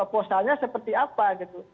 posalnya seperti apa gitu